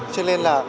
cho nên là